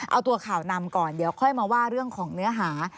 เอาตัวข่าวนำก่อนเดี๋ยวค่อยมาว่าเรื่องของเนื้อหา